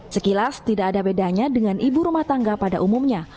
sekilas tidak ada bedanya dengan ibu rumah tangga pada umumnya